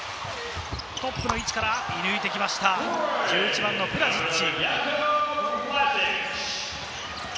トップの位置から抜いてきました、１１番のブラジッチ。